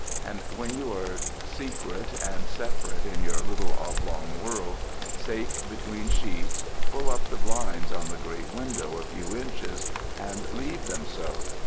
And when you are secret and separate in your little oblong world, safe between sheets, pull up the blinds on the great window a few inches and leave them so.